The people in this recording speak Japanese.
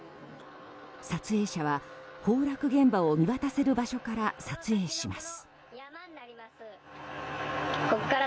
撮影者は崩落現場を見渡せる場所から撮影します。